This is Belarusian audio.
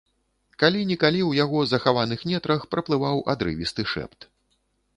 Калі-нікалі ў яго захаваных нетрах праплываў адрывісты шэпт.